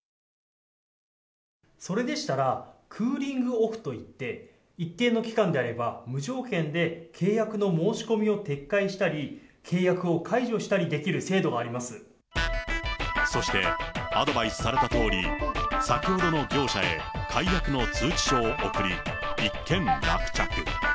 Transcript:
それでしたらクーリングオフといって、一定の期間であれば、無条件で契約の申し込みを撤回したり、契約を解除したりできる制そして、アドバイスされたとおり先ほどの業者へ解約の通知書を送り、一件落着。